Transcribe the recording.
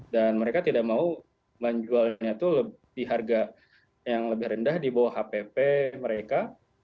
dan mereka tidak mau jualnya itu di harga yang lebih rendah di bawah hpp mereka